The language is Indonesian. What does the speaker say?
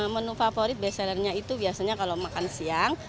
menu favorit bestsellernya itu biasanya kalau makan siang